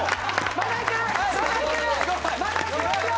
まだいけますよ！